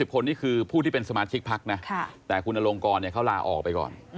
คนนี่คือผู้ที่เป็นสมาชิกพักนะแต่คุณอลงกรเขาลาออกไปก่อน